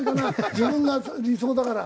自分が理想だから。